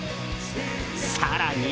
更に。